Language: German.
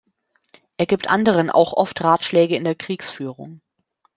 Er gibt anderen auch oft Ratschläge in der Kriegsführung.